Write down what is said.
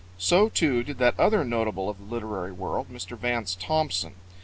So, too, did that other notable of the literary world, Mr. Vance Thompson.